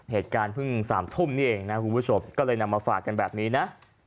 เหตุการณ์เพิ่ง๓ทุ่มนี่เองนะคุณผู้ชมก็เลยนำมาฝากกันแบบนี้นะ